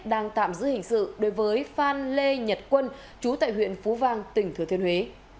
đang tạm giữ hình sự đối với phan lê nhật quân chú tại huyện phú vang tỉnh thừa thiên huế